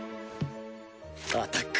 アタック！